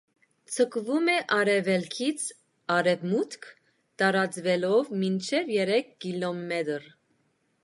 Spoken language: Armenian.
Ձգվում է արևելքից արևմուտք, տարածվելով մինչև երեք կիլոմետր։